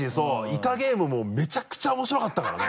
「イカゲーム」もめちゃくちゃ面白かったからね。